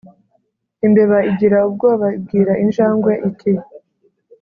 Imbeba igira ubwoba ibwira injangwe iti